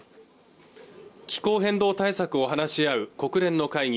気候変動対策を話し合う国連の会議